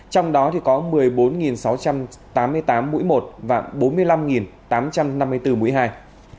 trong đó có một mươi bốn sáu trăm tám mươi tám mũi một và bốn mươi năm tám trăm năm mươi bốn mũi hai